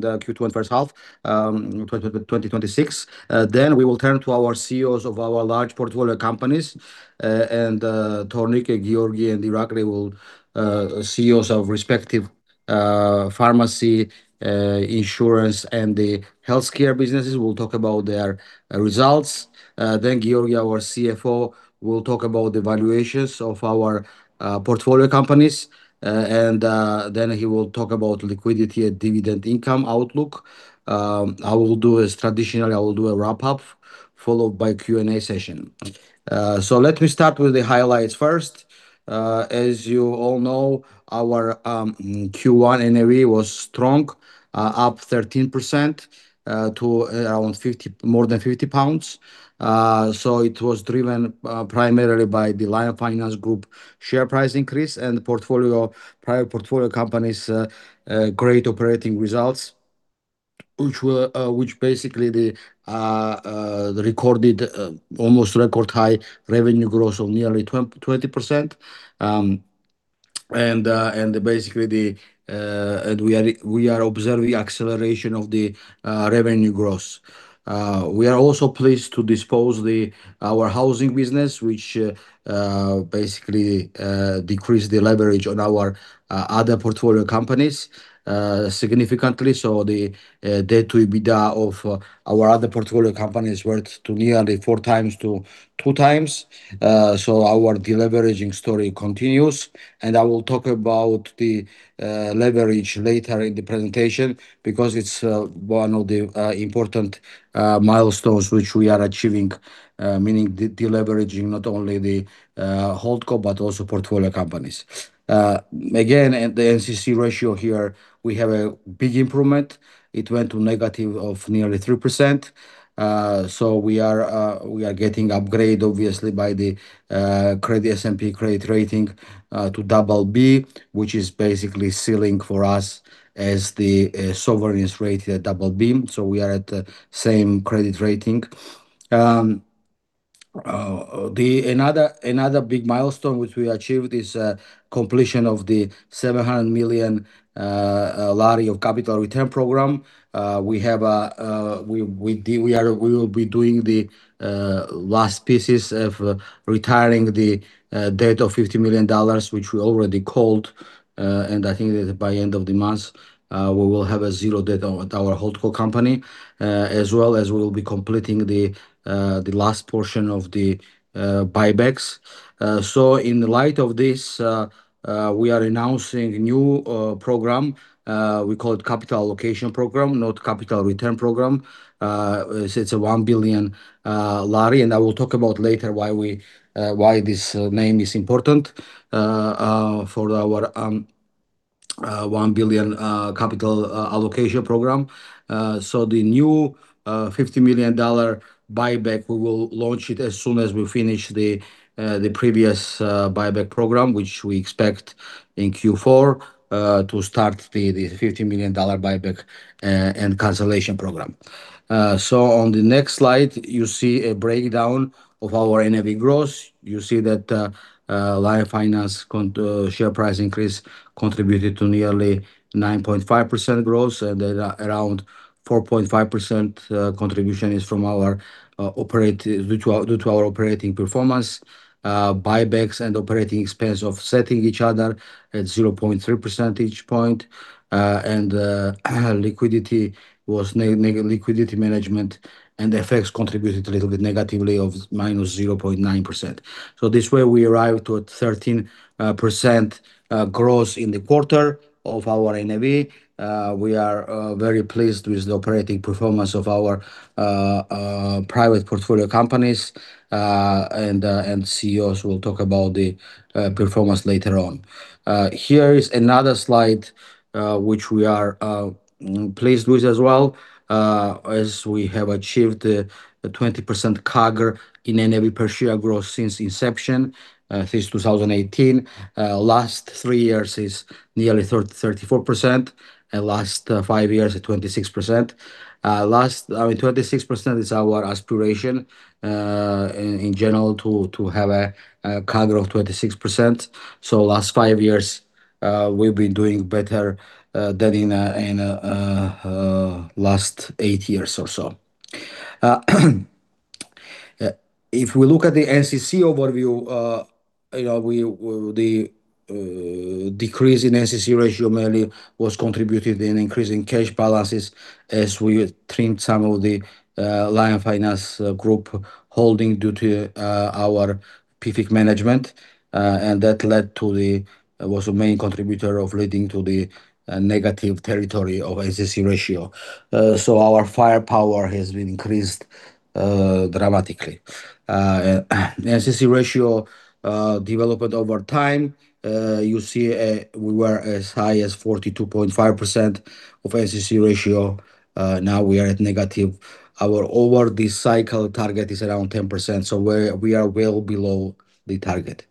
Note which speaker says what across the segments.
Speaker 1: The Q2 first half 2026. We will turn to our CEOs of our large portfolio companies, Tornike, Giorgi, and Irakli, CEOs of respective Pharmacy, Insurance, and the Healthcare businesses will talk about their results. Giorgi, our CFO, will talk about the valuations of our portfolio companies, he will talk about liquidity and dividend income outlook. As traditionally, I will do a wrap-up followed by a Q&A session. Let me start with the highlights first. As you all know, our Q1 NAV was strong, up 13% to around more than 50 pounds. It was driven primarily by the Lion Finance Group share price increase and private portfolio companies' great operating results, which basically recorded almost record-high revenue growth of nearly 20% and we are observing the acceleration of the revenue growth. We are also pleased to dispose our Housing business, which basically decreased the leverage on our other portfolio companies significantly. The debt to EBITDA of our other portfolio companies went to nearly 4x-2x. Our deleveraging story continues, I will talk about the leverage later in the presentation because it's one of the important milestones which we are achieving, meaning deleveraging not only the holdco but also portfolio companies. Again, the NCC ratio here, we have a big improvement. It went to negative of nearly 3%. We are getting upgrade, obviously, by the S&P credit rating to BB, which is basically ceiling for us as the sovereign is rated at BB. We are at the same credit rating. Another big milestone which we achieved is completion of the GEL 700 million of capital return program. We will be doing the last pieces of retiring the debt of $50 million, which we already called, I think by end of the month, we will have zero debt on our holdco company, as well as we will be completing the last portion of the buybacks. In light of this, we are announcing a new program. We call it capital allocation program, not capital return program. It's a GEL 1 billion, I will talk about later why this name is important for our GEL 1 billion capital allocation program. The new $50 million buyback, we will launch it as soon as we finish the previous buyback program, which we expect in Q4 to start the $50 million buyback and cancellation program. On the next slide, you see a breakdown of our NAV growth. You see that Lion Finance share price increase contributed to nearly 9.5% growth, around 4.5% contribution is due to our operating performance. Buybacks and operating expense offsetting each other at 0.3% each point. Liquidity management and FX contributed a little bit negatively of -0.9%. This way, we arrived at 13% growth in the quarter of our NAV. We are very pleased with the operating performance of our private portfolio companies, CEOs will talk about the performance later on. Here is another slide, which we are pleased with as well, as we have achieved a 20% CAGR in NAV per share growth since inception, since 2018. Last three years is nearly 34%, last five years at 26%. 26% is our aspiration in general to have a CAGR of 26%. Last five years, we've been doing better than in last eight years or so. If we look at the NCC overview, the decrease in NCC ratio mainly was contributed in increasing cash balances as we trimmed some of the Lion Finance Group holding due to our PFIC management. That was a main contributor of leading to the negative territory of NCC ratio. Our firepower has been increased dramatically. NCC ratio development over time. You see we were as high as 42.5% of NCC ratio. Now we are at negative. Our over the cycle target is around 10%, so we are well below the target.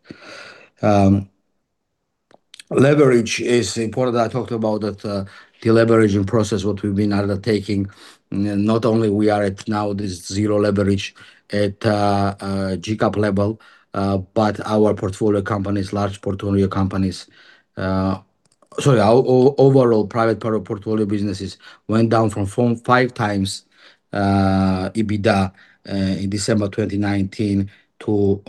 Speaker 1: Leverage is important. I talked about that de-leveraging process what we've been undertaking. Not only we are at now this zero leverage at GCAP level, but our portfolio companies, large portfolio companies Sorry, overall private portfolio businesses went down from 5x EBITDA in December 2019 to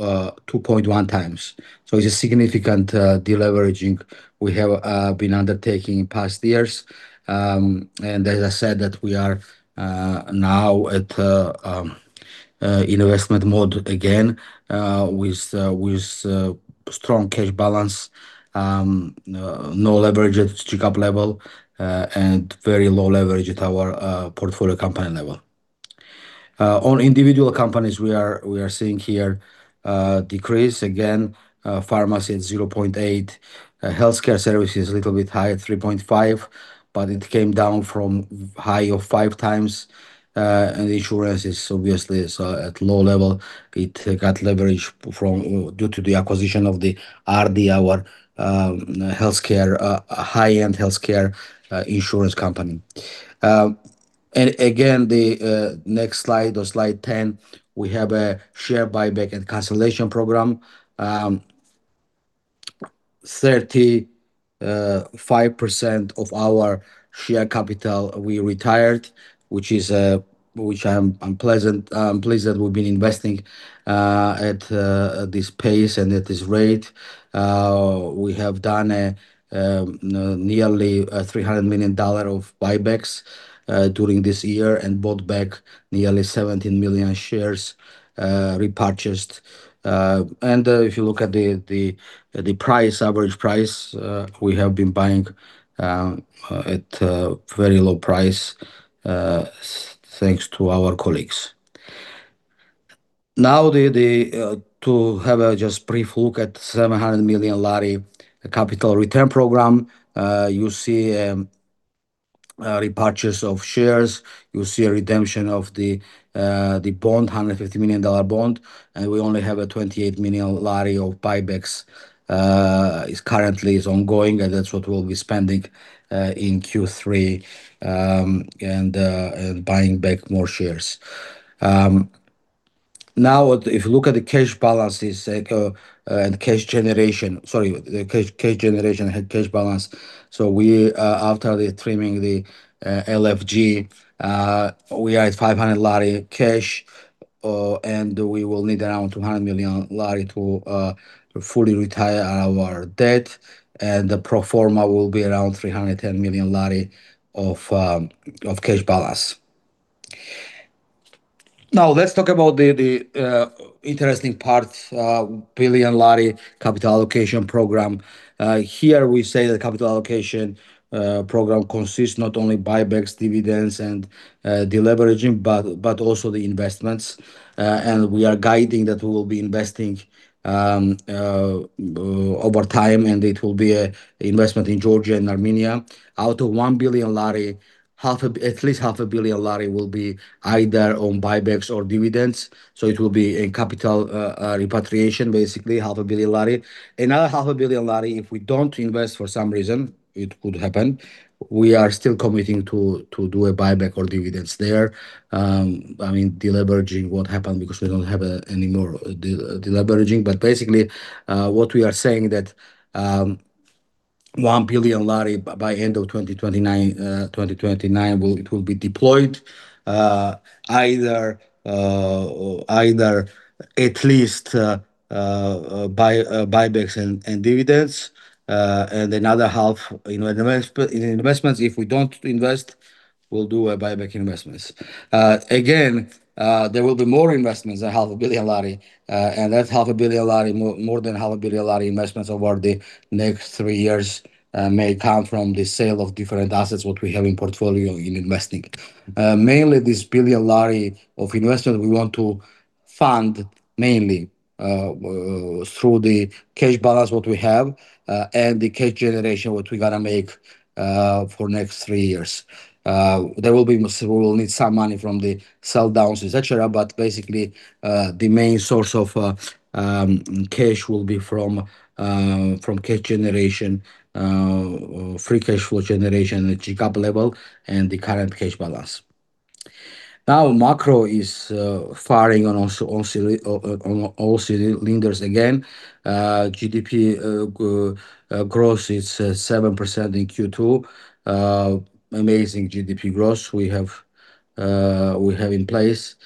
Speaker 1: 2.1x, so it's a significant de-leveraging we have been undertaking in past years. As I said that we are now at investment mode again, with strong cash balance, no leverage at GCAP level, and very low leverage at our portfolio company level. On individual companies, we are seeing here a decrease again. Pharmacy at 0.8x, Healthcare Services is a little bit higher at 3.5x, but it came down from high 5x and insurance is obviously at low level. It got leverage due to the acquisition of the RD, our high-end healthcare insurance company. Again, the next slide or slide 10, we have a share buyback and cancellation program. 35% of our share capital we retired, which I'm pleased that we've been investing at this pace and at this rate. We have done nearly GEL 300 million of buybacks during this year and bought back nearly 17 million shares repurchased. If you look at the average price, we have been buying at a very low price, thanks to our colleagues. Now, to have a just brief look at GEL 700 million capital return program, you see repurchase of shares. You see a redemption of the GEL 150 million bond. We only have a GEL 28 million of buybacks, is currently ongoing, and that's what we'll be spending in Q3, and buying back more shares. Now, if you look at the cash balances and cash generation, sorry, the cash generation and cash balance. After the trimming the LFG, we are at GEL 500 cash, and we will need around GEL 200 million to fully retire our debt, and the pro forma will be around GEL 310 million of cash balance. Now let's talk about the interesting part, GEL 1 billion capital allocation program. Here we say the capital allocation program consists not only buybacks, dividends, and de-leveraging, but also the investments. We are guiding that we will be investing over time, and it will be investment in Georgia and Armenia. Out of GEL 1 billion, at least GEL 500,000,000 will be either on buybacks or dividends. It will be a capital repatriation, basically GEL 500,000,000. Another GEL 500,000,000, if we don't invest for some reason, it could happen, we are still committing to do a buyback or dividends there. De-leveraging won't happen because we don't have any more de-leveraging. Basically, what we are saying that GEL 1 billion by end of 2029, it will be deployed, either at least buybacks and dividends, and another GEL 500,000,000 in investments. If we don't invest, we'll do a buyback investments. Again, there will be more investments than GEL 500,000,000. That GEL 500,000,000, more than GEL 500,000,000 investments over the next three years may come from the sale of different assets, what we have in portfolio in investing. Mainly this GEL 1 billion of investment we want to fund mainly through the cash balance, what we have, and the cash generation, what we got to make for next three years. We will need some money from the sell downs, etc., but basically, the main source of cash will be from cash generation, free cash flow generation at GCAP level, and the current cash balance. Macro is firing on all cylinders again. GDP growth is 7% in Q2. Amazing GDP growth we have in place.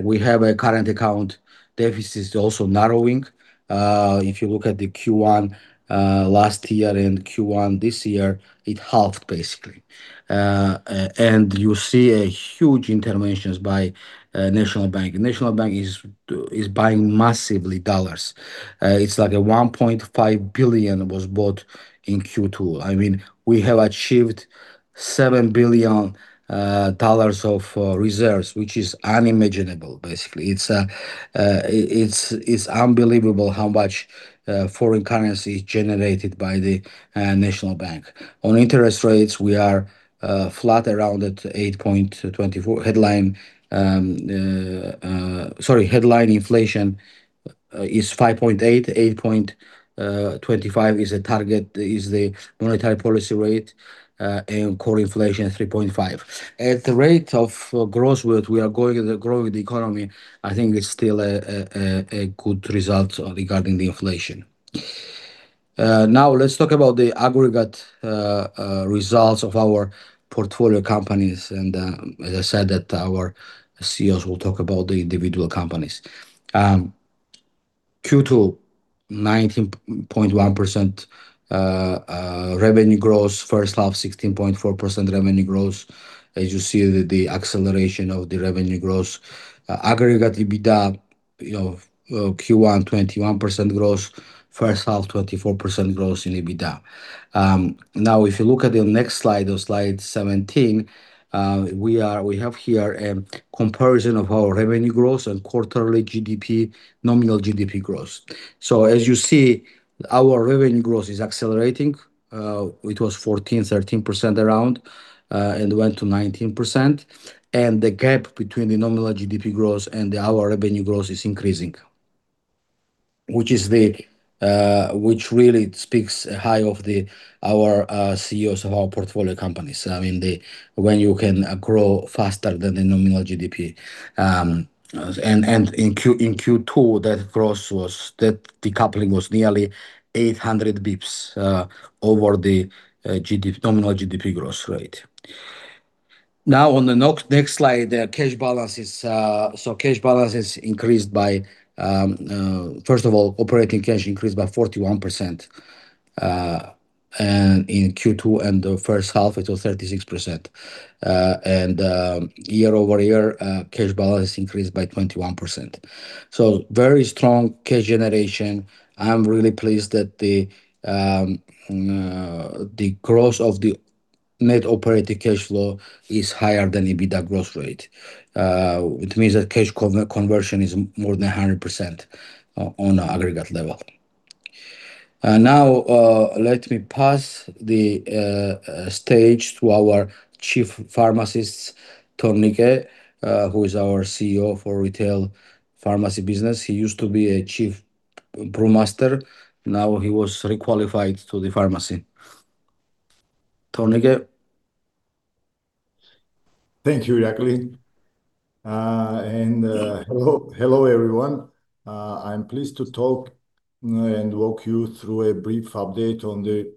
Speaker 1: We have a current account deficit is also narrowing. If you look at the Q1 last year and Q1 this year, it halved basically. You see huge interventions by National Bank. National Bank of is buying massively dollars. It's like $1.5 billion was bought in Q2. We have achieved $7 billion of reserves, which is unimaginable. It's unbelievable how much foreign currency is generated by the National Bank. On interest rates, we are flat around at headline inflation is 5.8%. 8.25% is a target, is the monetary policy rate, and core inflation 3.5%. At the rate of growth, what we are going to grow with the economy, I think it's still a good result regarding the inflation. Let's talk about the aggregate results of our portfolio companies, as I said that our CEOs will talk about the individual companies. Q2, 19.1% revenue growth. First half, 16.4% revenue growth. You see the acceleration of the revenue growth. Aggregate EBITDA of Q1, 21% growth. First half, 24% growth in EBITDA. If you look at the next slide 17, we have here a comparison of our revenue growth and quarterly nominal GDP growth. As you see, our revenue growth is accelerating. It was 14%, 13% around and went to 19%. The gap between the nominal GDP growth and our revenue growth is increasing, which really speaks high of our CEOs of our portfolio companies, when you can grow faster than the nominal GDP. In Q2, that decoupling was nearly 800 basis points over the nominal GDP growth rate. On the next slide, the cash balances. First of all, operating cash increased by 41% in Q2, and the first half, it was 36%. Year-over-year, cash balance increased by 21%. Very strong cash generation. I'm really pleased that the growth of the net operating cash flow is higher than EBITDA growth rate. It means that cash conversion is more than 100% on aggregate level. Let me pass the stage to our chief pharmacist, Tornike, who is our CEO for Retail Pharmacy business. He used to be a chief brewmaster. Now he was re-qualified to the Pharmacy. Tornike?
Speaker 2: Thank you, Irakli. Hello, everyone. I am pleased to talk and walk you through a brief update on the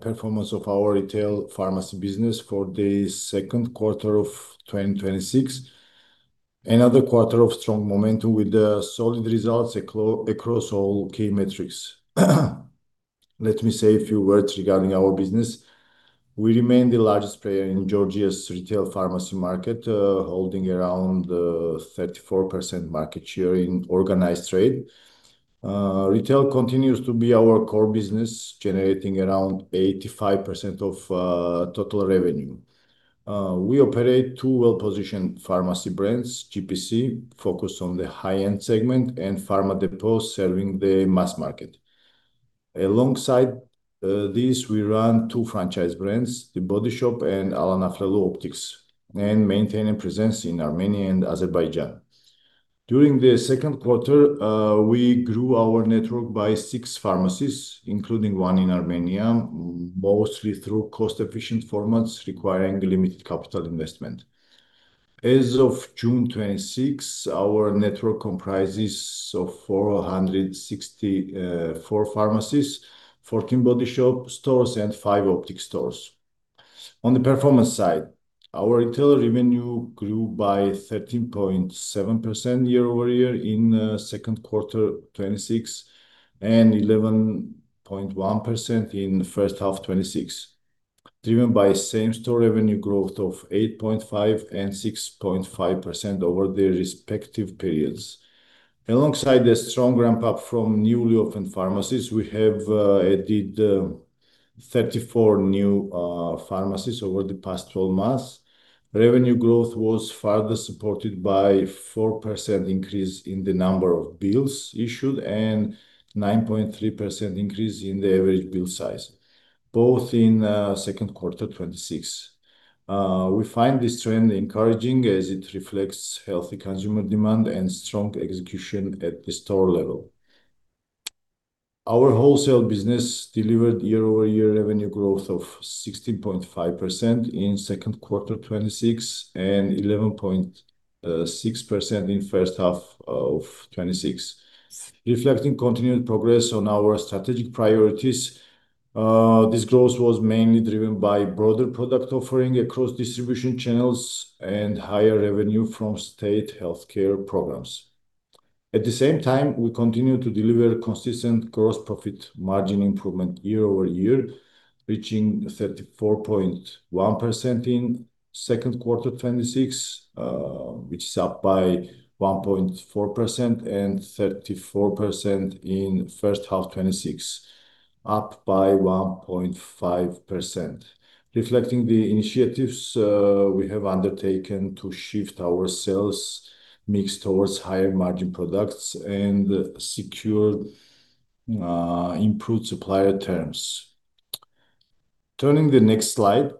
Speaker 2: performance of our Retail Pharmacy business for the second quarter of 2026. Another quarter of strong momentum with the solid results across all key metrics. Let me say a few words regarding our business. We remain the largest player in Georgia's Retail Pharmacy market, holding around 34% market share in organized trade. Retail continues to be our core business, generating around 85% of total revenue. We operate two well-positioned Pharmacy brands, GPC, focused on the high-end segment, and Pharmadepot, serving the mass market. Alongside this, we run two franchise brands, The Body Shop and Alain Afflelou Optiks, and maintain a presence in Armenia and Azerbaijan. During the second quarter, we grew our network by six pharmacies, including one in Armenia, mostly through cost-efficient formats requiring limited capital investment. As of June 2026, our network comprises of 464 pharmacies, 14 Body Shop stores, and five Optik stores. On the performance side, our Retail revenue grew by 13.7% year-over-year in second quarter 2026, and 11.1% in first half 2026, driven by same-store revenue growth of 8.5% and 6.5% over the respective periods. Alongside the strong ramp-up from newly opened pharmacies, we have added 34 new pharmacies over the past 12 months. Revenue growth was further supported by 4% increase in the number of bills issued and 9.3% increase in the average bill size, both in second quarter 2026. We find this trend encouraging as it reflects healthy consumer demand and strong execution at the store level. Our wholesale business delivered year-over-year revenue growth of 16.5% in second quarter 2026 and 11.6% in first half of 2026, reflecting continued progress on our strategic priorities. This growth was mainly driven by broader product offering across distribution channels and higher revenue from state healthcare programs. At the same time, we continue to deliver consistent gross profit margin improvement year-over-year, reaching 34.1% in second quarter 2026, which is up by 1.4%, and 34% in first half 2026, up by 1.5%, reflecting the initiatives we have undertaken to shift our sales mix towards higher margin products and secure improved supplier terms. Turning the next slide,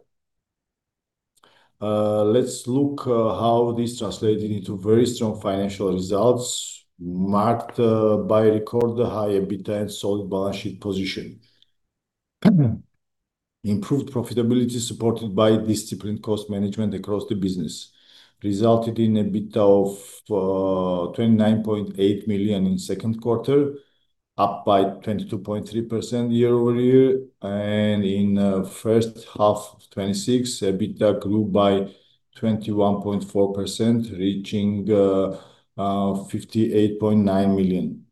Speaker 2: let's look how this translated into very strong financial results marked by record high EBITDA and solid balance sheet position. Improved profitability supported by disciplined cost management across the business resulted in an EBITDA of GEL 29.8 million in second quarter, up by 22.3% year-over-year. In first half of 2026, EBITDA grew by 21.4%, reaching GEL 58.9 million.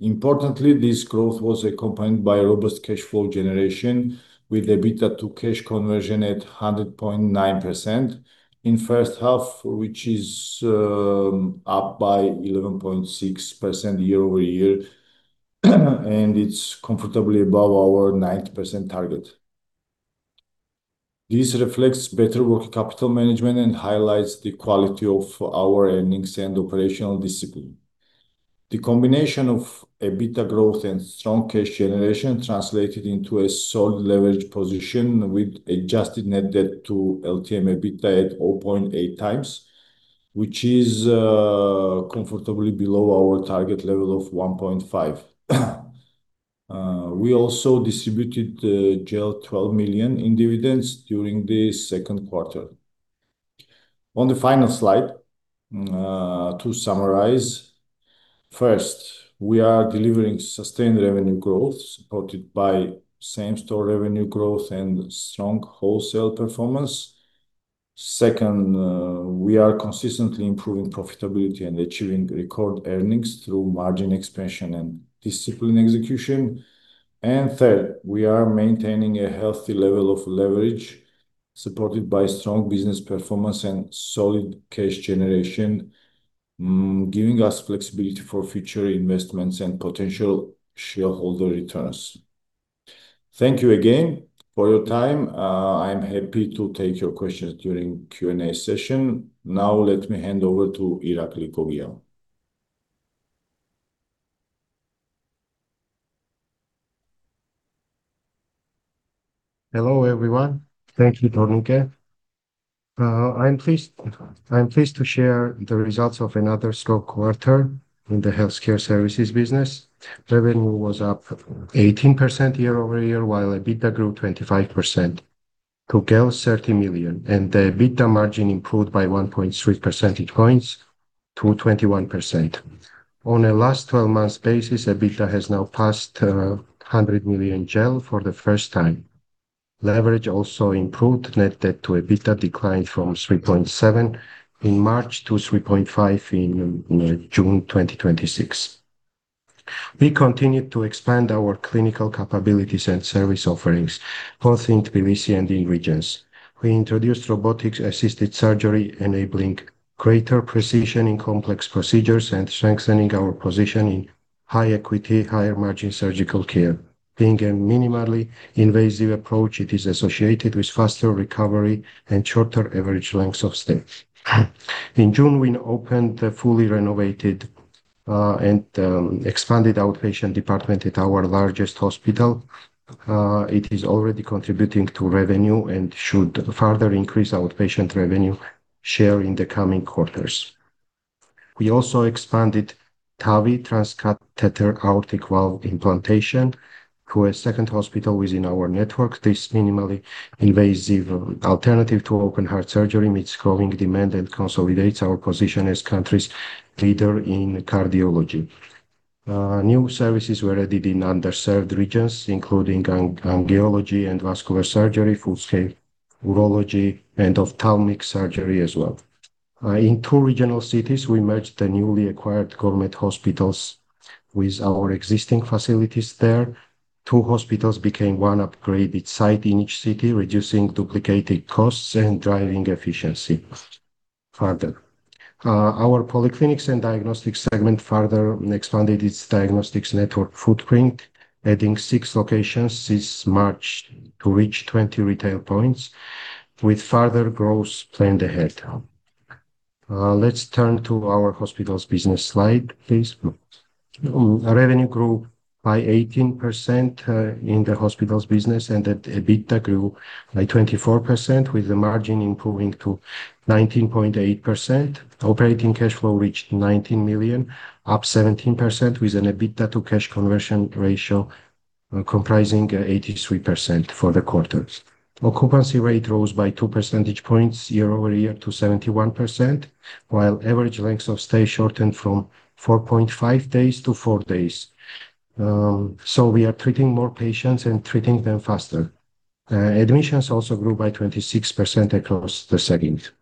Speaker 2: Importantly, this growth was accompanied by robust cash flow generation with EBITDA to cash conversion at 100.9% in first half, which is up by 11.6% year-over-year, and it's comfortably above our 90% target. This reflects better working capital management and highlights the quality of our earnings and operational discipline. The combination of EBITDA growth and strong cash generation translated into a solid leverage position with adjusted net debt to LTM EBITDA at 0.8x, which is comfortably below our target level of 1.5x. We also distributed GEL 12 million in dividends during the second quarter. On the final slide, to summarize, first, we are delivering sustained revenue growth supported by same-store revenue growth and strong wholesale performance. Second, we are consistently improving profitability and achieving record earnings through margin expansion and disciplined execution. Third, we are maintaining a healthy level of leverage supported by strong business performance and solid cash generation, giving us flexibility for future investments and potential shareholder returns. Thank you again for your time. I'm happy to take your questions during Q&A session. Now let me hand over to Irakli Gogia.
Speaker 3: Hello, everyone. Thank you, Tornike. I'm pleased to share the results of another strong quarter in the Healthcare Services business. Revenue was up 18% year-over-year, while EBITDA grew 25% to GEL 30 million, and the EBITDA margin improved by 1.3 percentage points to 21%. On a last 12 months basis, EBITDA has now passed GEL 100 million for the first time. Leverage also improved net debt to EBITDA declined from 3.7x in March to 3.5x in June 2026. We continued to expand our clinical capabilities and service offerings, both in Tbilisi and in regions. We introduced robotics-assisted surgery, enabling greater precision in complex procedures and strengthening our position in high acuity, higher margin surgical care. Being a minimally invasive approach, it is associated with faster recovery and shorter average lengths of stay. In June, we opened the fully renovated and expanded outpatient department at our largest hospital. It is already contributing to revenue and should further increase outpatient revenue share in the coming quarters. We also expanded TAVI, transcatheter aortic valve implantation, to a second hospital within our network. This minimally invasive alternative to open heart surgery meets growing demand and consolidates our position as country's leader in cardiology. New services were added in underserved regions, including angiology and vascular surgery, full scale urology, and ophthalmic surgery as well. In two regional cities, we merged the newly acquired government hospitals with our existing facilities there. Two hospitals became one upgraded site in each city, reducing duplicated costs and driving efficiency further. Our Polyclinics and Diagnostic segment further expanded its Diagnostic s network footprint, adding six locations this March to reach 20 retail points with further growth planned ahead. Let's turn to our Hospitals business slide, please. Revenue grew by 18% in the Hospitals business. The EBITDA grew by 24% with the margin improving to 19.8%. Operating cash flow reached GEL 19 million, up 17%, with an EBITDA to cash conversion ratio comprising 83% for the quarters. Occupancy rate rose by 2 percentage points year-over-year to 71%, while average lengths of stay shortened from 4.5 days to four days. We are treating more patients and treating them faster. Admissions also grew by 26% across the segment.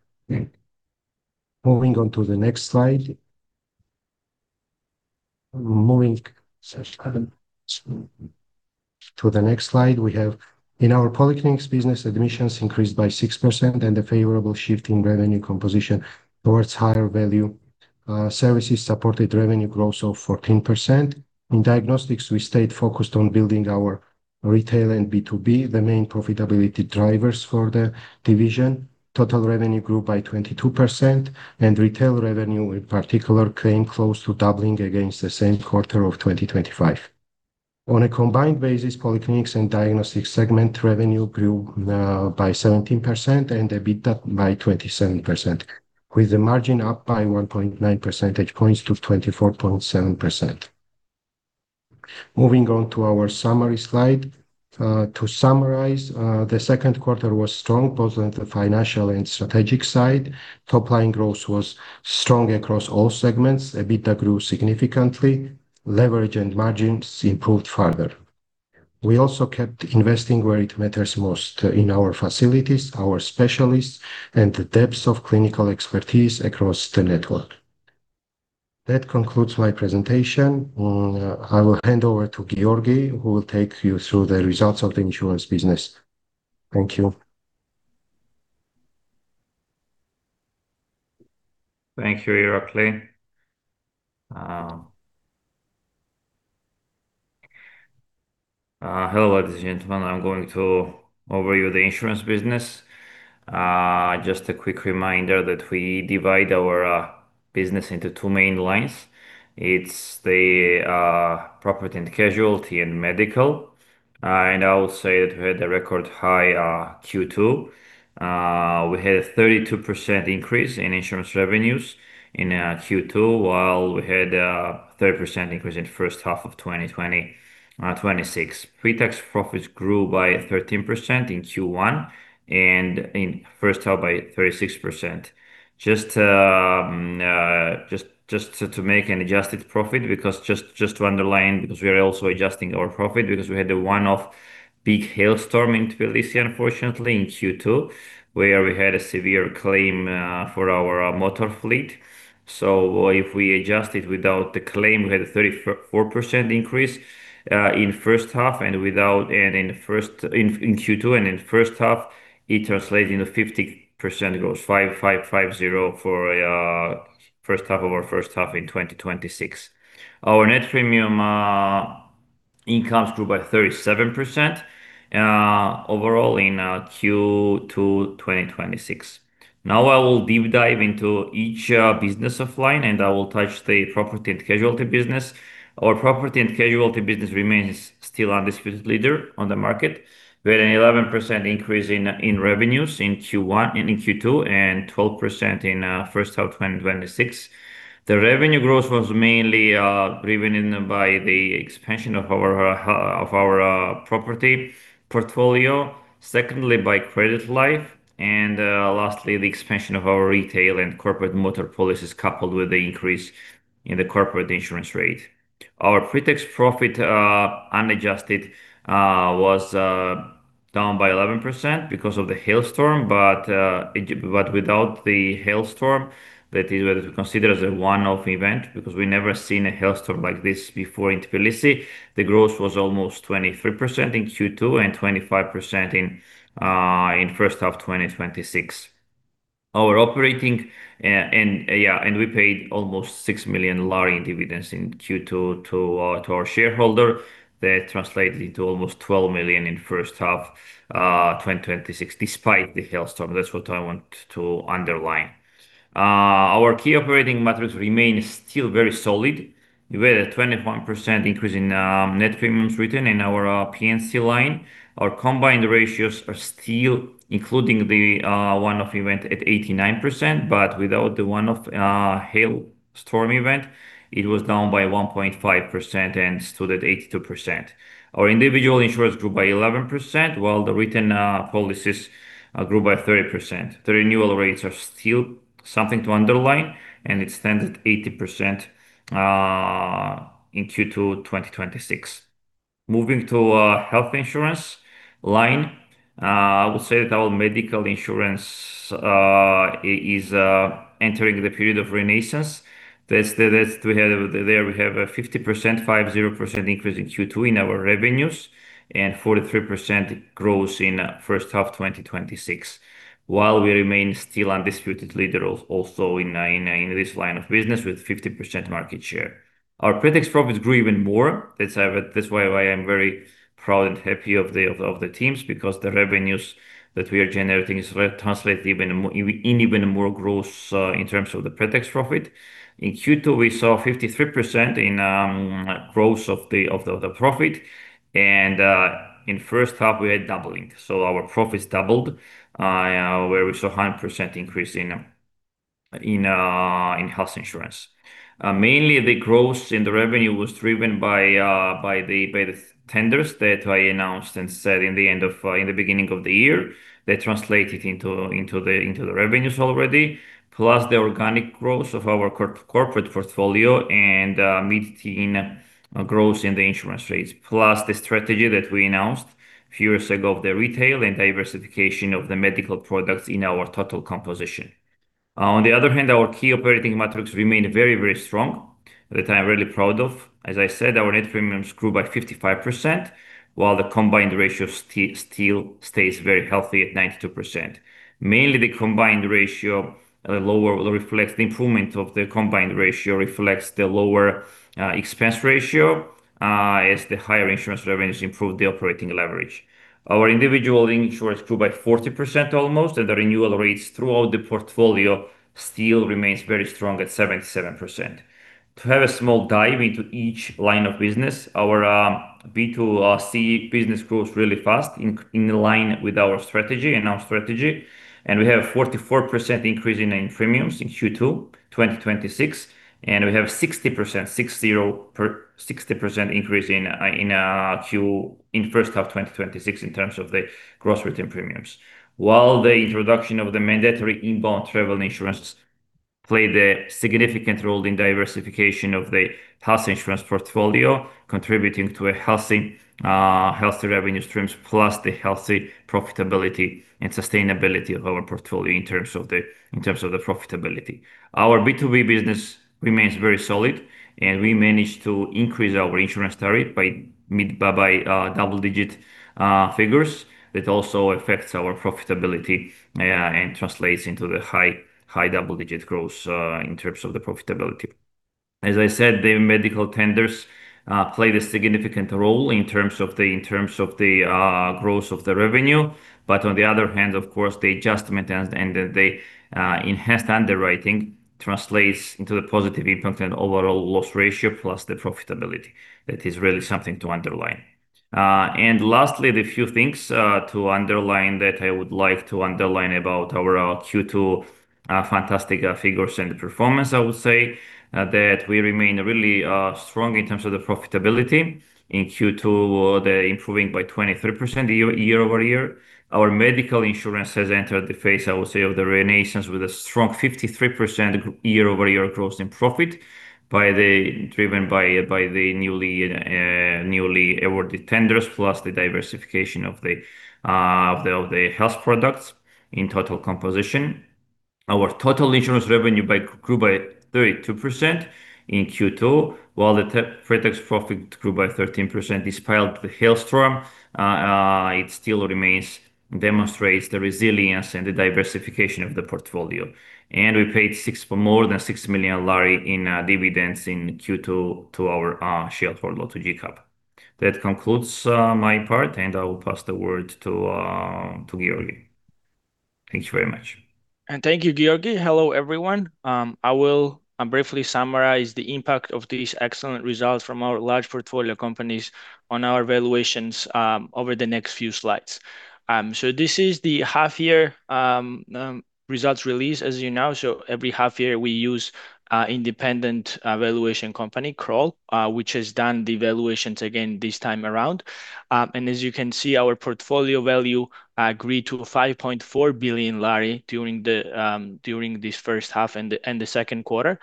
Speaker 3: Moving on to the next slide. Moving to the next slide, we have in our Polyclinics business, admissions increased by 6%. A favorable shift in revenue composition towards higher value services supported revenue growth of 14%. In Diagnostics, we stayed focused on building our retail and B2B, the main profitability drivers for the division. Total revenue grew by 22%. Retail revenue in particular came close to doubling against the same quarter of 2025. On a combined basis, Polyclinics and Diagnostics segment revenue grew by 17%. EBITDA by 27%. With the margin up by 1.9 percentage points to 24.7%. Moving on to our summary slide. To summarize, the second quarter was strong, both on the financial and strategic side. Top-line growth was strong across all segments. EBITDA grew significantly, leverage and margins improved further. We also kept investing where it matters most, in our facilities, our specialists, and the depths of clinical expertise across the network. That concludes my presentation. I will hand over to Giorgi, who will take you through the results of the Insurance business. Thank you.
Speaker 4: Thank you, Irakli. Hello, ladies and gentlemen. I'm going to overview the Insurance business. Just a quick reminder that we divide our business into two main lines. It's the Property and Casualty, and Medical. I will say that we had a record-high Q2. We had a 32% increase in Insurance revenues in Q2, while we had a 30% increase in first half of 2026. Pre-tax profits grew by 13% in Q1. In first half by 36%. Just to make an adjusted profit, just to underline, because we are also adjusting our profit, because we had a one-off big hailstorm in Tbilisi, unfortunately, in Q2, where we had a severe claim for our motor fleet. If we adjust it without the claim, we had a 34% increase in Q2 and in first half, it translates into 50% growth, five-zero, for first half of our first half in 2026. Our net premium incomes grew by 37% overall in Q2 2026. I will deep dive into each business line and I will touch the Property and Casualty business. Our Property and Casualty business remains still undisputed leader on the market. We had an 11% increase in revenues in Q2. 12% in first half 2026. The revenue growth was mainly driven by the expansion of our property portfolio. Secondly, by credit life. Lastly, the expansion of our retail and corporate motor policies, coupled with the increase in the corporate Insurance rate. Our pre-tax profit, unadjusted, was down by 11% because of the hailstorm. Without the hailstorm, that is considered as a one-off event because we never seen a hailstorm like this before in Tbilisi. The growth was almost 23% in Q2 and 25% in first half 2026 and we paid almost GEL 6 million in dividends in Q2 to our shareholder. That translated into almost GEL 12 million in first half 2026, despite the hailstorm. That's what I want to underline. Our key operating metrics remain still very solid. We've had a 21% increase in net premiums written in our P&C line. Our combined ratios are still including the one-off event at 89%, but without the one-off hailstorm event, it was down by 1.5% and stood at 82%. Our individual insurance grew by 11%, while the written policies grew by 30%. The renewal rates are still something to underline, and it stands at 80% in Q2 2026. Moving to health insurance line, I will say that our Medical insurance is entering the period of renaissance. There we have a 50% increase in Q2 in our revenues and 43% growth in first half 2026. While we remain still undisputed leader also in this line of business with 50% market share. Our pre-tax profits grew even more. That's why I am very proud and happy of the teams because the revenues that we are generating is translated in even more growth in terms of the pre-tax profit. In Q2, we saw 53% in growth of the profit, and in first half we are doubling. Our profits doubled, where we saw 100% increase in health insurance. Mainly, the growth in the revenue was driven by the tenders that I announced and said in the beginning of the year. They translated into the revenues already, plus the organic growth of our corporate portfolio and mid-teen growth in the Insurance rates. The strategy that we announced a few years ago of the retail and diversification of the medical products in our total composition. On the other hand, our key operating metrics remain very, very strong, that I'm really proud of. As I said, our net premiums grew by 55%, while the combined ratio still stays very healthy at 92%. Mainly, the improvement of the combined ratio reflects the lower expense ratio, as the higher Insurance revenues improve the operating leverage. Our individual Insurance grew by 40%, almost, and the renewal rates throughout the portfolio still remains very strong at 77%. To have a small dive into each line of business, our B2C business grows really fast in line with our strategy, announced strategy, and we have 44% increase in premiums in Q2 2026, and we have 60% increase in first half 2026 in terms of the gross written premiums. The introduction of the mandatory inbound travel insurance played a significant role in diversification of the health isurance portfolio, contributing to a healthy revenue streams, plus the healthy profitability and sustainability of our portfolio in terms of the profitability. Our B2B business remains very solid, and we managed to increase our Insurance tariff by double-digit figures. That also affects our profitability and translates into the high double-digit growth in terms of the profitability. As I said, the Medical tenders play the significant role in terms of the growth of the revenue. On the other hand, of course, the adjustment and the enhanced underwriting translates into the positive impact and overall loss ratio plus the profitability. That is really something to underline. Lastly, the few things to underline that I would like to underline about our Q2 fantastic figures and performance, I would say, that we remain really strong in terms of the profitability. In Q2, the improving by 23% year-over-year. Our Medical Insurance has entered the phase, I would say, of the renaissance with a strong 53% year-over-year growth in profit, driven by the newly awarded tenders, plus the diversification of the health products in total composition. Our total Insurance revenue grew by 32% in Q2, while the pre-tax profit grew by 13%. Despite the hailstorm, it still demonstrates the resilience and the diversification of the portfolio. We paid more than GEL 6 million in dividends in Q2 to our shareholder, to GCAP. That concludes my part, I will pass the word to Giorgi. Thank you very much.
Speaker 5: Thank you, Giorgi. Hello, everyone. I will briefly summarize the impact of these excellent results from our large portfolio companies on our valuations over the next few slides. This is the half year results release, as you know. Every half year, we use independent valuation company, Kroll, which has done the valuations again this time around. As you can see, our portfolio value agreed to GEL 5.4 billion during this first half and the second quarter.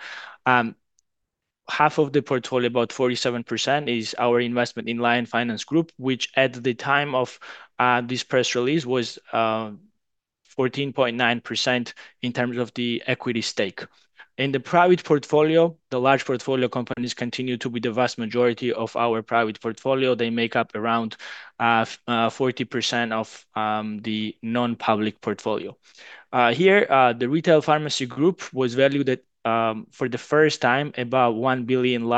Speaker 5: Half of the portfolio, about 47%, is our investment in Lion Finance Group, which at the time of this press release was 14.9% in terms of the equity stake. In the private portfolio, the large portfolio companies continue to be the vast majority of our private portfolio. They make up around 40% of the non-public portfolio. Here, the Retail Pharmacy Group was valued for the first time about GEL 1 billion,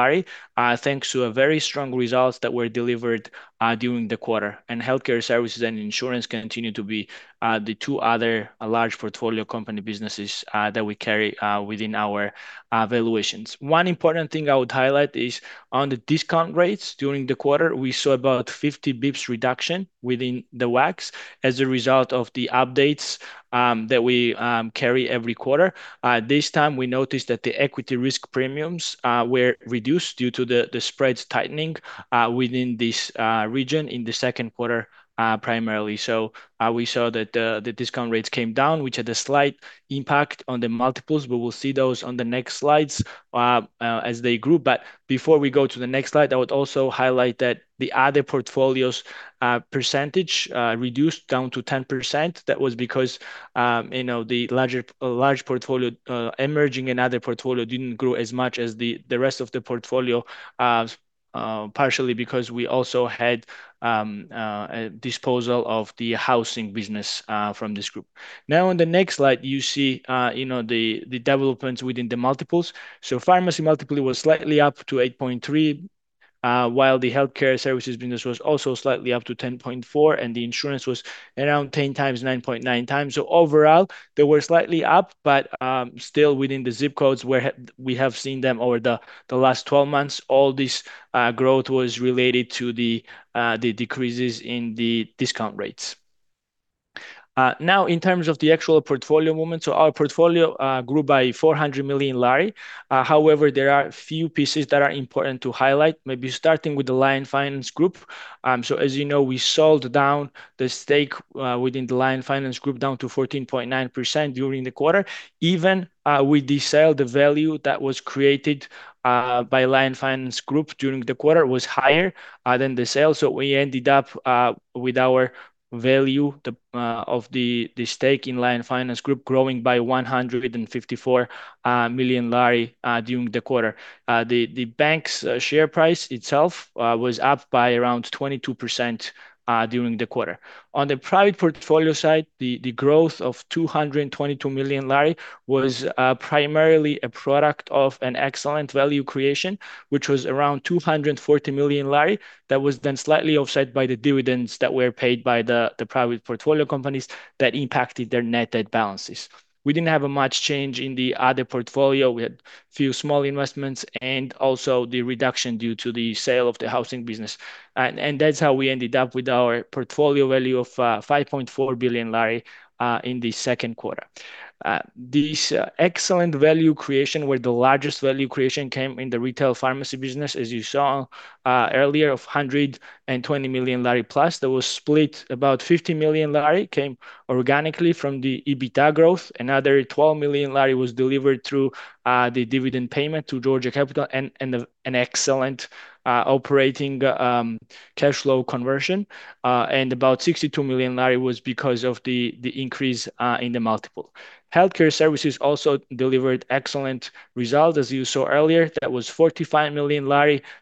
Speaker 5: thanks to very strong results that were delivered during the quarter. Healthcare Services and Insurance continue to be the two other large portfolio company businesses that we carry within our valuations. One important thing I would highlight is on the discount rates during the quarter, we saw about 50 basis points reduction within the WACC as a result of the updates that we carry every quarter. This time, we noticed that the equity risk premiums were reduced due to the spreads tightening within this region in the second quarter, primarily. We saw that the discount rates came down, which had a slight impact on the multiples. We will see those on the next slides as they grew. Before we go to the next slide, I would also highlight that the other portfolio's percentage reduced down to 10%. That was because the large portfolio emerging and other portfolio didn't grow as much as the rest of the portfolio, partially because we also had a disposal of the Housing business from this group. On the next slide, you see the developments within the multiples. Pharmacy multiple was slightly up to 8.3x, while the Healthcare Services business was also slightly up to 10.4x, and the Insurance was around 10x, 9.9x. Overall, they were slightly up, but still within the ZIP codes where we have seen them over the last 12 months. All this growth was related to the decreases in the discount rates. In terms of the actual portfolio movement, our portfolio grew by GEL 400 million. However, there are a few pieces that are important to highlight, maybe starting with the Lion Finance Group. As you know, we sold down the stake within the Lion Finance Group down to 14.9% during the quarter. Even with the sale, the value that was created by Lion Finance Group during the quarter was higher than the sale, so we ended up with our value of the stake in Lion Finance Group growing by GEL 154 million. The bank's share price itself was up by around 22% during the quarter. On the private portfolio side, the growth of GEL 222 million was primarily a product of an excellent value creation, which was around GEL 240 million. That was then slightly offset by the dividends that were paid by the private portfolio companies that impacted their net debt balances. We didn't have much change in the other portfolio. We had a few small investments and also the reduction due to the sale of the Housing business. That's how we ended up with our portfolio value of GEL 5.4 billion in the second quarter. This excellent value creation, where the largest value creation came in the Retail Pharmacy business, as you saw earlier, of GEL 120 million+. That was split, about GEL 50 million came organically from the EBITDA growth. Another GEL 12 million was delivered through the dividend payment to Georgia Capital and an excellent operating cash flow conversion. About GEL 62 million was because of the increase in the multiple. Healthcare Services also delivered excellent result, as you saw earlier. That was GEL 45 million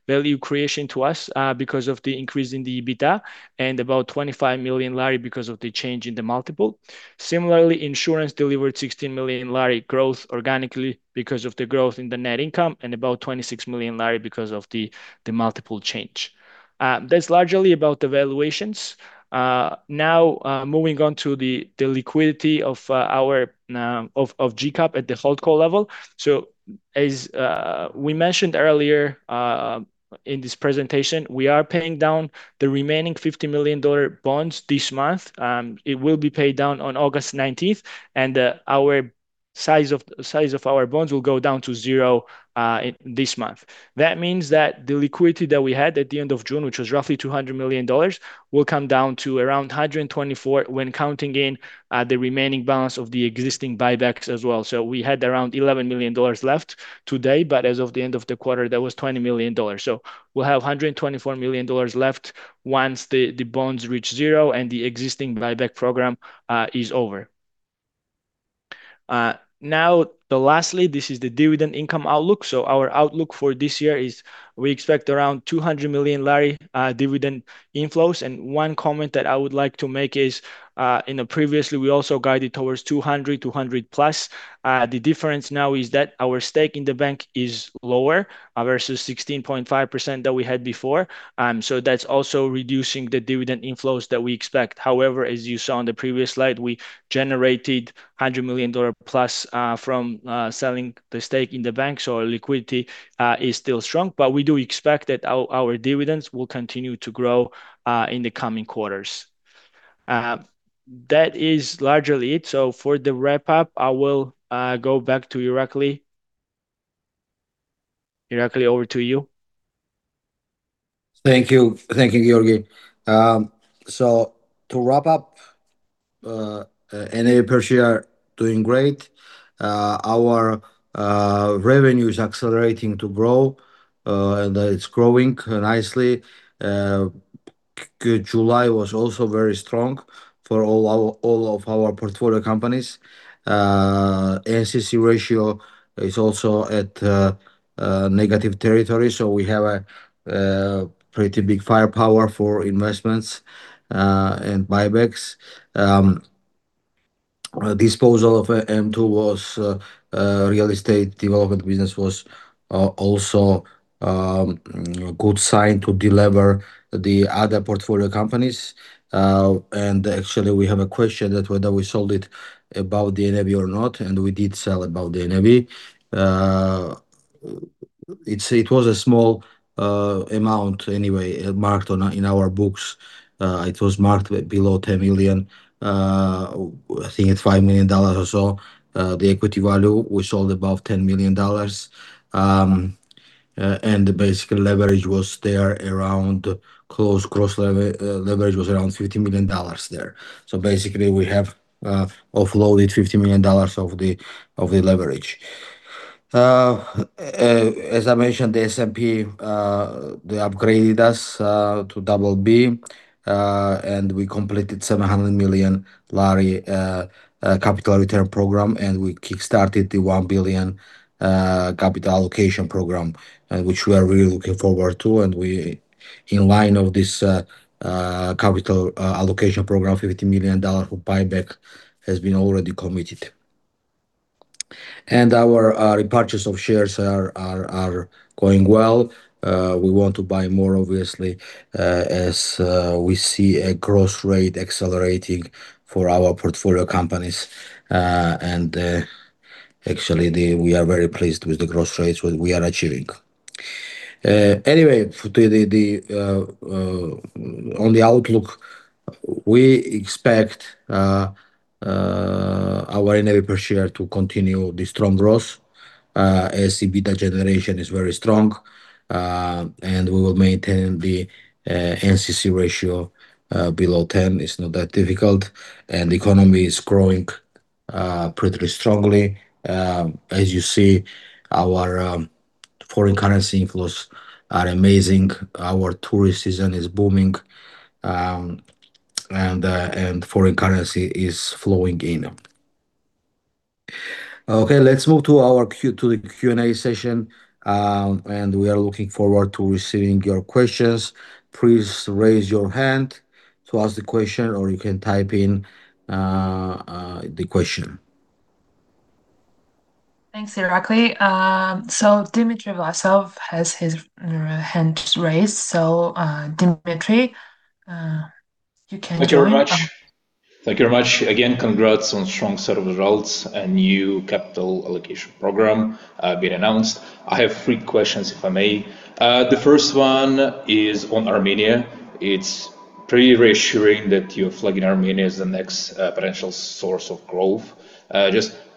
Speaker 5: value creation to us because of the increase in the EBITDA and about GEL 25 million because of the change in the multiple. Similarly, Insurance delivered GEL 16 million growth organically because of the growth in the net income and about GEL 26 million because of the multiple change. That's largely about the valuations. Now moving on to the liquidity of GCAP at the holdco level. As we mentioned earlier in this presentation, we are paying down the remaining $50 million bonds this month. It will be paid down on August 19th, and our size of our bonds will go down to zero this month. That means that the liquidity that we had at the end of June, which was roughly $200 million, will come down to around $124 million when counting in the remaining balance of the existing buybacks as well. We had around $11 million left today, but as of the end of the quarter, that was $20 million. We'll have $124 million left once the bonds reach zero and the existing buyback program is over. Lastly, this is the dividend income outlook. Our outlook for this year is we expect around GEL 200 million dividend inflows. One comment that I would like to make is, previously we also guided towards, GEL 200 million, GEL 200 million+. The difference now is that our stake in the bank is lower versus 16.5% that we had before. That's also reducing the dividend inflows that we expect. However, as you saw on the previous slide, we generated GEL 100 million+ from selling the stake in the bank. Our liquidity is still strong. We do expect that our dividends will continue to grow in the coming quarters. That is largely it. For the wrap-up, I will go back to Irakli. Irakli, over to you.
Speaker 1: Thank you, Giorgi. To wrap up, NAV per share doing great. Our revenue is accelerating to grow, and it's growing nicely. July was also very strong for all of our portfolio companies. NCC ratio is also at negative territory, so we have a pretty big firepower for investments and buybacks. Disposal of m² Real Estate development business was also good sign to delever the other portfolio companies. Actually, we have a question that whether we sold it above the NAV or not, and we did sell above the NAV. It was a small amount anyway marked in our books. It was marked below $10 million, I think it's $5 million or so, the equity value. We sold above $10 million. Basically leverage was there around gross leverage was around $50 million there. Basically, we have offloaded $50 million of the leverage. As I mentioned, the S&P they upgraded us to BB, we completed GEL 700 million capital return program, we kickstarted the GEL 1 billion capital allocation program, which we are really looking forward to. In line of this capital allocation program, $50 million for buyback has been already committed. Our repurchase of shares are going well. We want to buy more obviously, as we see a growth rate accelerating for our portfolio companies. Actually, we are very pleased with the growth rates we are achieving. Anyway, on the outlook, we expect our NAV per share to continue the strong growth as EBITDA generation is very strong. We will maintain the NCC ratio below 10, it's not that difficult. Economy is growing pretty strongly. As you see, our foreign currency inflows are amazing. Our tourist season is booming, and foreign currency is flowing in. Okay, let's move to the Q&A session. We are looking forward to receiving your questions. Please raise your hand to ask the question, or you can type in the question.
Speaker 6: Thanks, Irakli. Dmitry Vlasov has his hand raised. Dmitry, you can join.
Speaker 7: Thank you very much. Thank you very much. Again, congrats on strong set of results and new capital allocation program being announced. I have three questions, if I may. The first one is on Armenia. It is pretty reassuring that you are flagging Armenia as the next potential source of growth.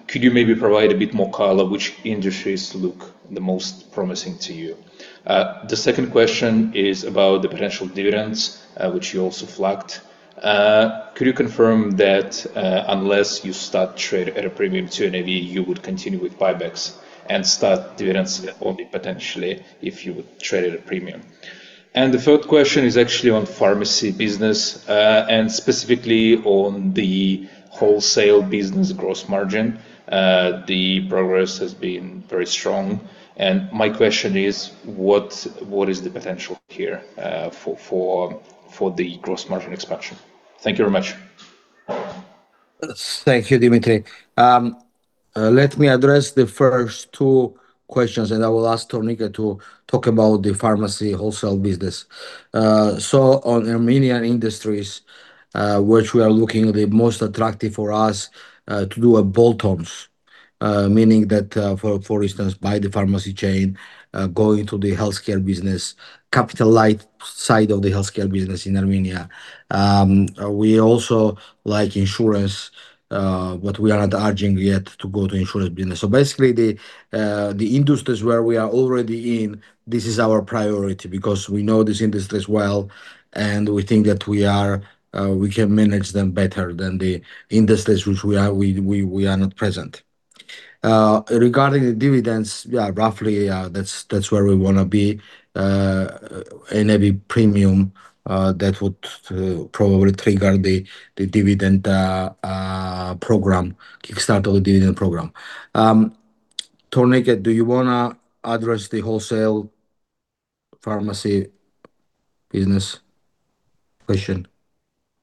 Speaker 7: Could you maybe provide a bit more color which industries look the most promising to you? The second question is about the potential dividends, which you also flagged. Could you confirm that unless you start trade at a premium to NAV, you would continue with buybacks and start dividends only potentially if you trade at a premium? The third question is actually on Pharmacy business, and specifically on the wholesale business gross margin. The progress has been very strong, and my question is: what is the potential here for the gross margin expansion? Thank you very much.
Speaker 1: Thank you, Dmitry. Let me address the first two questions, and I will ask Tornike to talk about the Pharmacy wholesale business. On Armenian industries, which we are looking the most attractive for us to do a bolt-ons, meaning that, for instance, buy the Pharmacy chain, go into the Healthcare business, capital light side of the Healthcare business in Armenia. We also like Insurance, but we are not urging yet to go to Insurance business. Basically, the industries where we are already in, this is our priority because we know these industries well, and we think that we can manage them better than the industries which we are not present. Regarding the dividends, yeah, roughly that is where we want to be. A NAV premium that would probably trigger the dividend program, kickstart the dividend program. Tornike, do you want to address the wholesale Pharmacy business question?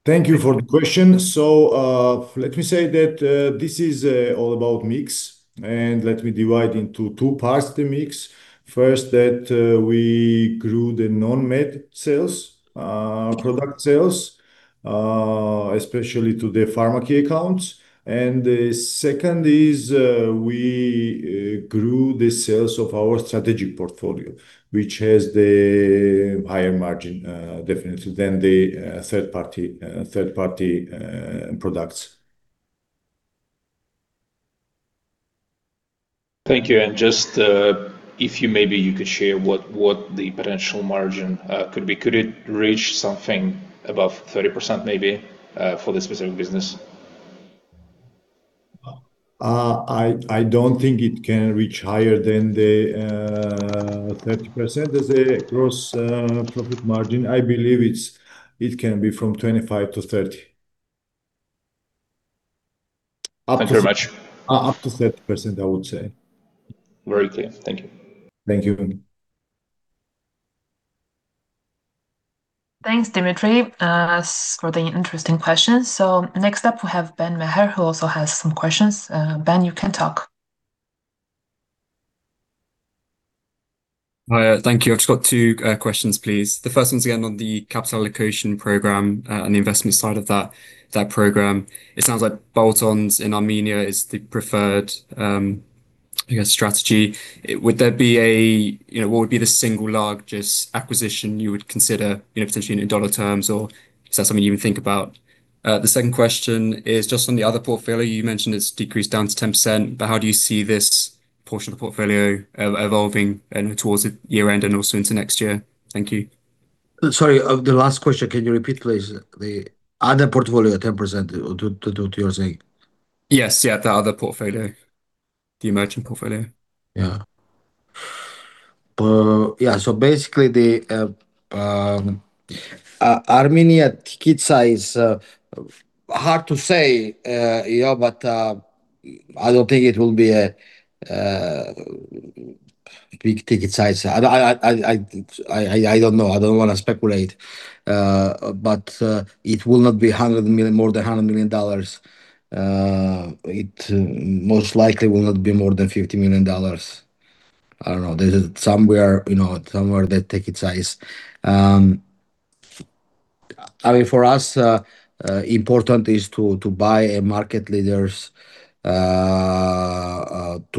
Speaker 2: Thank you for the question. Let me say that this is all about mix, let me divide into two parts of the mix. First, that we grew the non-med sales, product sales, especially to the Pharmacy accounts. The second is we grew the sales of our strategic portfolio, which has the higher margin definitely than the third-party products.
Speaker 7: Thank you, just if you maybe you could share what the potential margin could be. Could it reach something above 30%, maybe, for this specific business?
Speaker 2: I don't think it can reach higher than the 30% as a gross profit margin. I believe it can be from 25%-30%.
Speaker 7: Thank you very much.
Speaker 2: Up to 30%, I would say.
Speaker 7: Very clear. Thank you.
Speaker 2: Thank you.
Speaker 6: Thanks, Dmitry, for the interesting questions. Next up we have Bryan Maher, who also has some questions. Bryan, you can talk.
Speaker 8: Hi, thank you. I've just got two questions, please. The first one's again on the capital allocation program and the investment side of that program. It sounds like bolt-ons in Armenia is the preferred strategy. What would be the single largest acquisition you would consider potentially in dollar terms, or is that something you even think about? The second question is just on the other portfolio you mentioned it's decreased down to 10%, but how do you see this portion of the portfolio evolving towards the year-end and also into next year? Thank you.
Speaker 1: Sorry, the last question, can you repeat please? The other portfolio at 10%, what you are saying?
Speaker 8: Yes. Yeah. The other portfolio. The emerging portfolio.
Speaker 1: Yeah. Basically, Armenia ticket size, hard to say, but I don't think it will be a big ticket size. I don't know. I don't want to speculate. It will not be more than $100 million. It most likely will not be more than $50 million. I don't know. This is somewhere that ticket size. For us, important is to buy market leaders, to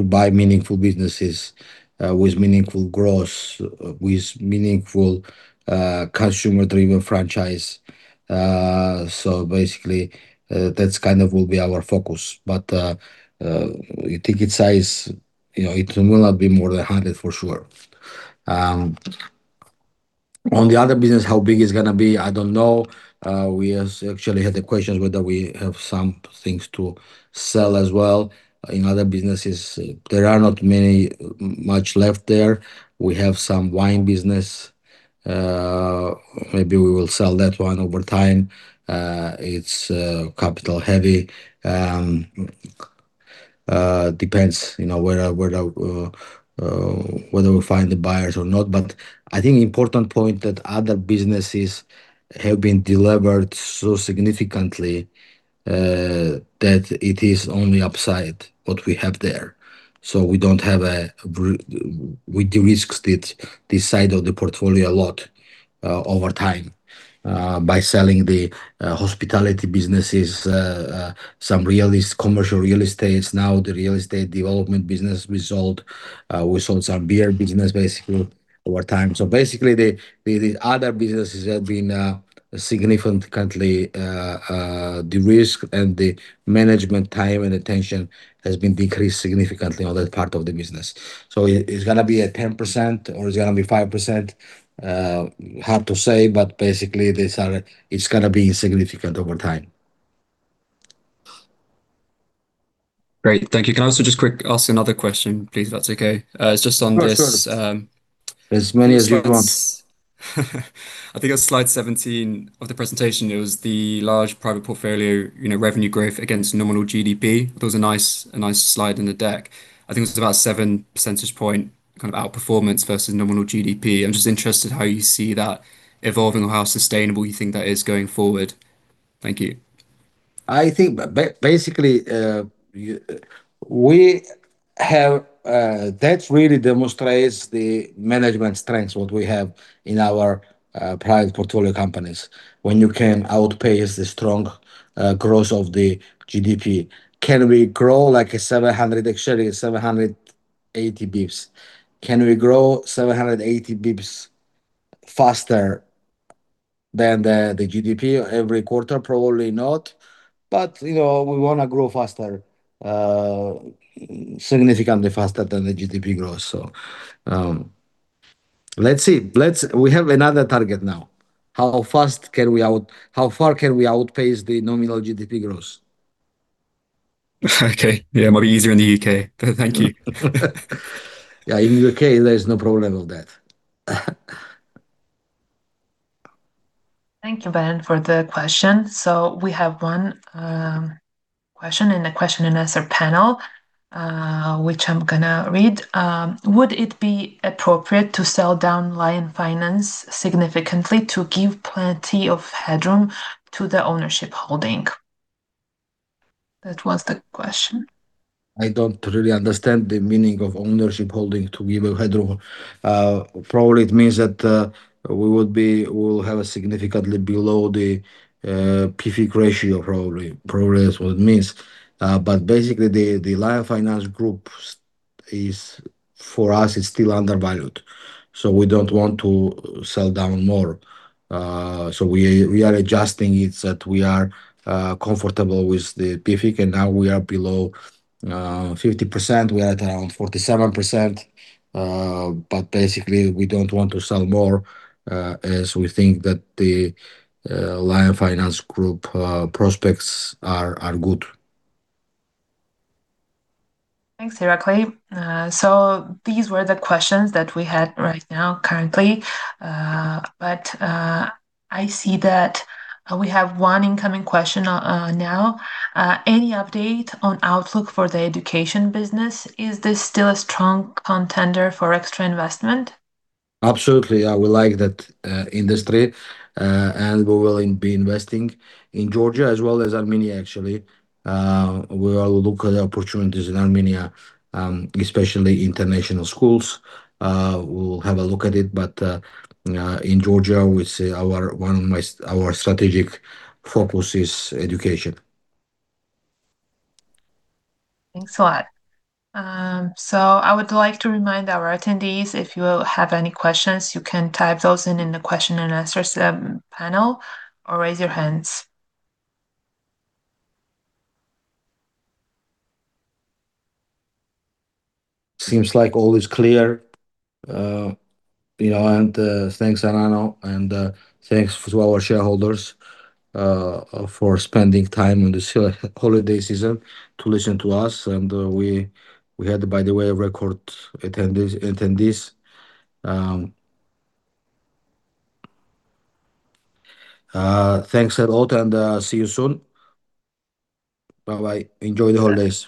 Speaker 1: buy meaningful businesses with meaningful growth, with meaningful consumer-driven franchise. Basically, that's kind of will be our focus. Ticket size, it will not be more than $100 million for sure. On the other business, how big it's going to be, I don't know. We actually had a question whether we have some things to sell as well in other businesses. There are not much left there. We have some Wine business. Maybe we will sell that one over time. It's capital heavy. Depends whether we find the buyers or not. I think important point that other businesses have been delevered so significantly that it is only upside what we have there. We de-risked this side of the portfolio a lot over time by selling the Hospitality businesses, some commercial real estates. The real estate development business we sold. We sold some Beer business basically over time. Basically, the other businesses have been significantly de-risked, and the management time and attention has been decreased significantly on that part of the business. It's going to be at 10%, or it's going to be 5%, hard to say, but basically, it's going to be insignificant over time.
Speaker 8: Great. Thank you. Can I also just quick ask another question, please, if that's okay? It's just on this-
Speaker 1: Sure. As many as you want.
Speaker 8: ...I think it was slide 17 of the presentation. It was the large private portfolio revenue growth against nominal GDP. Thought it was a nice slide in the deck. I think it was about 7 percentage point outperformance versus nominal GDP. I'm just interested how you see that evolving or how sustainable you think that is going forward. Thank you.
Speaker 1: I think basically, that really demonstrates the management strengths, what we have in our private portfolio companies. When you can outpace the strong growth of the GDP. Can we grow like 700 basis points, actually 780 basis points. Can we grow 780 basis points faster than the GDP every quarter? Probably not. We want to grow faster, significantly faster than the GDP growth. Let's see. We have another target now. How far can we outpace the nominal GDP growth?
Speaker 8: Okay. Yeah, might be easier in the U.K. Thank you.
Speaker 1: Yeah, in U.K., there is no problem of that.
Speaker 6: Thank you, Bryan, for the question. We have one question in the question-and-answer panel, which I am going to read. Would it be appropriate to sell down Lion Finance significantly to give plenty of headroom to the ownership holding? That was the question.
Speaker 1: I don't really understand the meaning of ownership holding to give a headroom. Probably, it means that we will have a significantly below the PFIC ratio, probably. Probably, that's what it means. Basically, the Lion Finance Group, for us, is still undervalued. We don't want to sell down more. We are adjusting it that we are comfortable with the PFIC, and now we are below 50%. We are at around 47%. Basically, we don't want to sell more, as we think that the Lion Finance Group prospects are good.
Speaker 6: Thanks, Irakli. These were the questions that we had right now currently but I see that we have one incoming question now. Any update on outlook for the Education business? Is this still a strong contender for extra investment?
Speaker 1: Absolutely. We like that industry, we will be investing in Georgia as well as Armenia, actually. We will look at the opportunities in Armenia, especially international schools. We'll have a look at it. In Georgia, we see one of our strategic focus is Education.
Speaker 6: Thanks a lot. I would like to remind our attendees, if you have any questions, you can type those in in the question-and-answer panel or raise your hands.
Speaker 1: Seems like all is clear. Thanks, Anano, and thanks to our shareholders for spending time in this holiday season to listen to us. We had, by the way, record attendees. Thanks a lot, and see you soon. Bye-bye. Enjoy the holidays